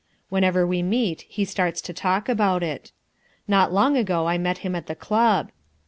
Whenever we meet he starts to talk about it. Not long ago I met him in the club.